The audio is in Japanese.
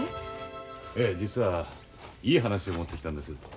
ええ実はいい話を持ってきたんです。